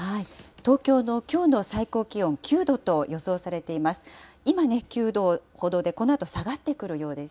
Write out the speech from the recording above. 東京のきょうの最高気温９度と予想されています。